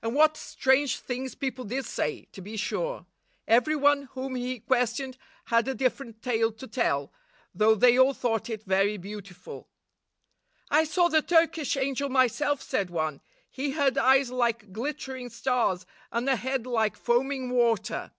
And what strange things people did say, to be sure! Every one whom he questioned had a different tale to tell, though they all thought it very beautiful. "I saw the Turkish angel myself," said one. "He had eyes like glittering stars, and a head like foaming water."